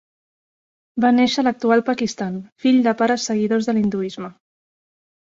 Va néixer a l'actual Pakistan, fill de pares seguidors de l'hinduisme.